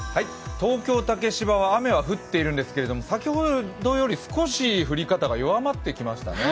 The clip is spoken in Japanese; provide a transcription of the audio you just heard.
東京竹芝は雨は降っているんですけれども、先ほどより少し降り方が弱まってきましたね。